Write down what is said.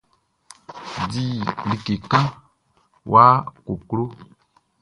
Di like kan ya koklo.